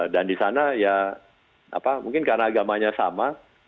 dan di sana ya mungkin karena agamanya sama